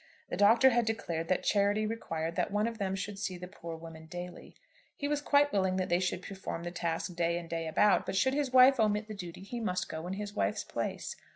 The Doctor had declared that charity required that one of them should see the poor woman daily. He was quite willing that they should perform the task day and day about, but should his wife omit the duty he must go in his wife's place.